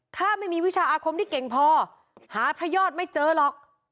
ถ้าไม่มีวิชาอาคมที่เก่งพอหาพระยอดไม่เจอหรอก